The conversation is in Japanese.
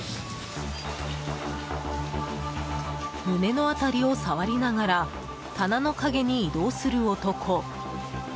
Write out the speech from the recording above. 胸の辺りを触りながら棚の陰に移動する男。